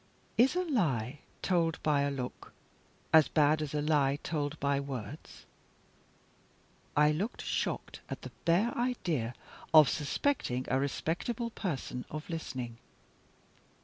Is a lie told by a look as bad as a lie told by words? I looked shocked at the bare idea of suspecting a respectable person of listening.